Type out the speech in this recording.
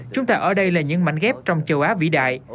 chúng ta ở đây là những mảnh ghép trong châu á vĩ đại